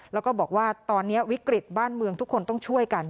แล้วก็บอกว่าตอนนี้วิกฤตบ้านเมืองทุกคนต้องช่วยกัน